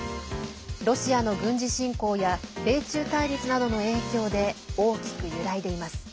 ロシアの軍事侵攻や米中対立などの影響で大きく揺らいでいます。